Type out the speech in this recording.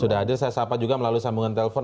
sudah hadir saya sahabat juga melalui sambungan telpon